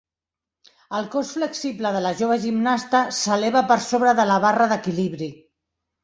El cos flexible de la jove gimnasta s'eleva per sobre de la barra d'equilibri.